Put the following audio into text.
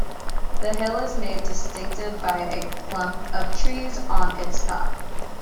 The hill is made distinctive by a clump of trees on its top.